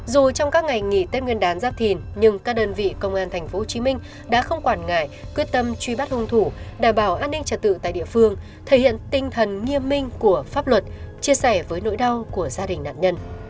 dù trong các ngày nghỉ tết nguyên đán giáp thìn nhưng các đơn vị công an tp hcm đã không quản ngại quyết tâm truy bắt hung thủ đảm bảo an ninh trật tự tại địa phương thể hiện tinh thần nghiêm minh của pháp luật chia sẻ với nỗi đau của gia đình nạn nhân